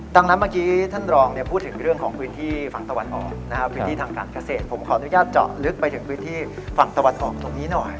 ดังนั้นเมื่อกี้ท่านรองพูดถึงเรื่องของพื้นที่ฝั่งตะวันออกนะครับพื้นที่ทางการเกษตรผมขออนุญาตเจาะลึกไปถึงพื้นที่ฝั่งตะวันออกตรงนี้หน่อย